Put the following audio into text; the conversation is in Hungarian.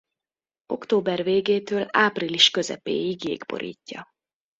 Október végétől április közepéig jég borítja.